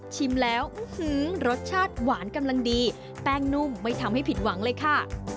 ชิมแล้วรสชาติหวานกำลังดีแป้งนุ่มไม่ทำให้ผิดหวังเลยค่ะ